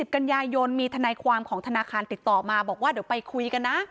กันยายนมีทนายความของธนาคารติดต่อมาบอกว่าเดี๋ยวไปคุยกันนะ